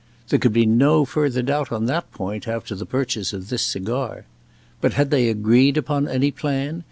There could be no further doubt on that point after the purchase of this cigar. But had they agreed upon any plan?